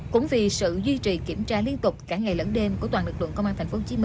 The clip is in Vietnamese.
cũng vì sự duy trì kiểm tra liên tục cả ngày lẫn đêm của toàn lực lượng công an tp hcm